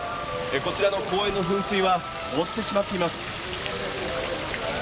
こちらの公園の噴水は、凍ってしまっています。